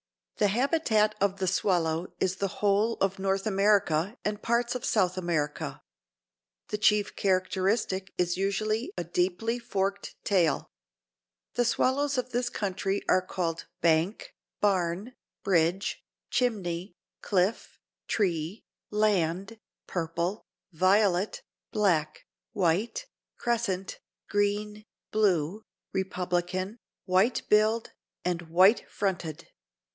The habitat of the swallow is the whole of North America and parts of South America. The chief characteristic is usually a deeply forked tail. The swallows of this country are called Bank, Barn, Bridge, Chimney, Cliff, Tree, Land, Purple, Violet, Black, White, Crescent, Green, Blue, Republican, White billed and White fronted.